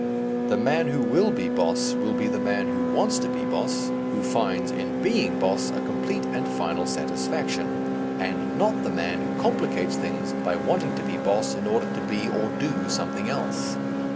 The man who will be boss will be the man who wants to be boss, who finds, in being boss, a complete and final satisfaction, and not the man who complicates things by wanting to be boss in order to be, or do, something else.